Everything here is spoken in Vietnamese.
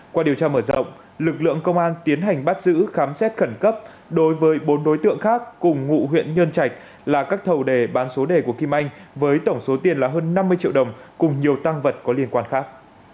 qua điều tra mở rộng lực lượng công an tiến hành bắt giữ khám xét khẩn cấp đối với bốn đối tượng khác cùng ngụ huyện nhân trạch là các thầu đề bán số đề của kim anh với tổng số tiền là hơn năm mươi triệu đồng cùng nhiều tăng vật có liên quan khác